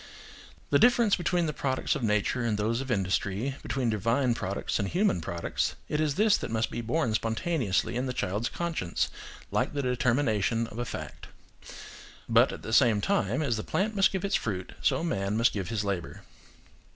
The difference between the products of nature and those of industry, between divine products and human products–it is this that must be born spontaneously in the child's conscience, like the determination of a fact. But at the same time, as the plant must give its fruit, so man must give his labour.